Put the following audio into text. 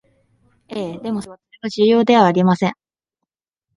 ええ、でもそれは重要ではありません